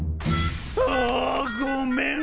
あごめん！